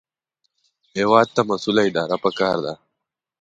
هېواد ته مسؤله اداره پکار ده